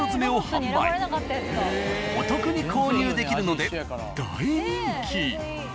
お得に購入できるので大人気。